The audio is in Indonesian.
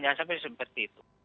jangan sampai seperti itu